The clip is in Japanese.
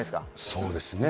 そうですね。